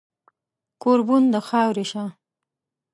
کوربون د خاورې شه